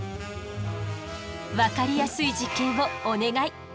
分かりやすい実験をお願い！